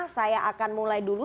saya akan mulai dulu